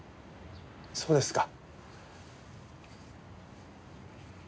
そうですか。